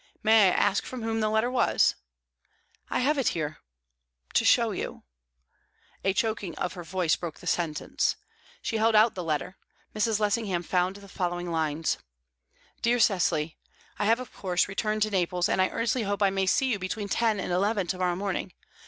"May I ask from whom the letter was?" "I have it here to show you." A choking of her voice broke the sentence. She held out the letter. Mrs. Lessingham found the following lines: "DEAR CECILY, "I have, of course, returned to Naples, and I earnestly hope I may see you between ten and eleven to morrow morning.